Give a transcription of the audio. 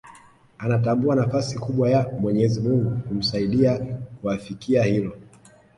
Anatambua nafasi kubwa ya mwenyezi Mungu kumsaidia kuafikia hilo